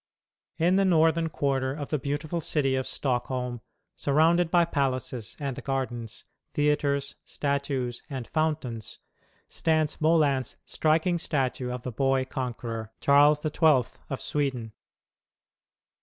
In the northern quarter of the beautiful city of Stockholm, surrounded by palaces and gardens, theatres, statues, and fountains, stands Molin's striking statue of the boy conqueror, Charles the Twelfth of Sweden.